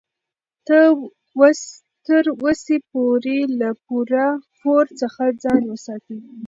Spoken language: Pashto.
تر وسې پورې له پور څخه ځان وساتئ.